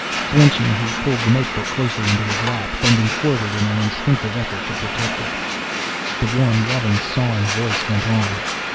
Flinching, he pulled the notebook closer into his lap, bending forward in an instinctive effort to protect it. The warm, loving, sawing voice went on.